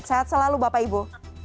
kehatikan selalu bapak ibu